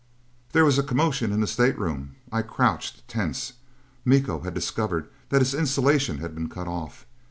There was a commotion in the stateroom. I crouched, tense. Miko had discovered that his insulation had been cut off!